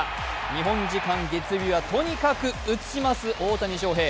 日本時間月曜日は、とにかく打ちます大谷翔平。